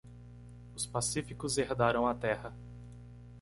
Os pacíficos herdarão a terra.